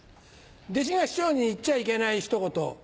弟子が師匠に言っちゃいけないひと言。